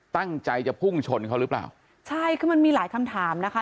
ตั้งใจจะพุ่งชนเขาหรือเปล่าใช่คือมันมีหลายคำถามนะคะ